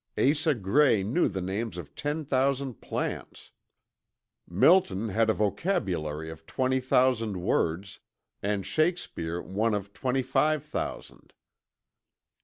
Asa Gray knew the names of ten thousand plants. Milton had a vocabulary of twenty thousand words, and Shakespeare one of twenty five thousand.